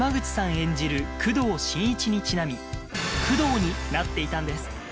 演じる工藤新一にちなみ「工藤」になっていたんです